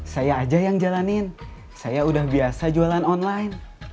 saya aja yang jalanin saya udah biasa jualan online